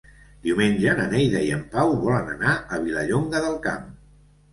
Diumenge na Neida i en Pau volen anar a Vilallonga del Camp.